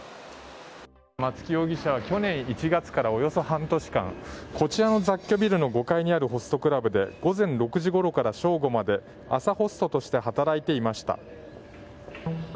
松木容疑者は去年１月からおよそ半年間こちらの雑居ビルの５階にあるホストクラブで午前６時ごろから正午まで朝ホストとして働いていました。